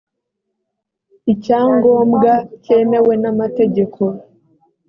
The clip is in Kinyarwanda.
icyangombwa cyemewe n amategeko